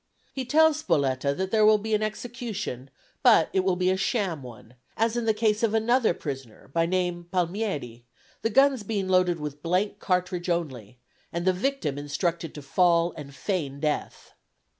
He tells Spoletta that there will be an execution, but it will be a sham one, as in the case of another prisoner, by name Palmieri, the guns being loaded with blank cartridge only, and the victim instructed to fall and feign death.